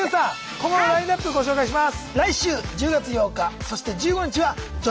今後のラインナップご紹介します。